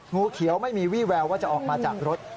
งูเขียวไม่มีวี่แววว่าจะออกมาจากรถ